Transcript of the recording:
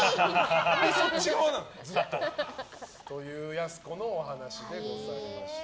やす子のお話でございました。